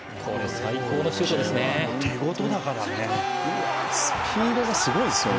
最高のシュートですね。